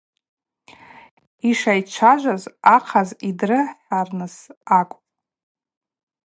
Йшайчважваз – ахъаз йдрыхӏарныс акӏвпӏ.